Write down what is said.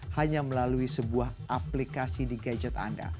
hanya melalui sebuah aplikasi di gadget anda